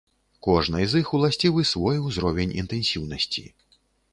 Кожнай з іх уласцівы свой узровень інтэнсіўнасці.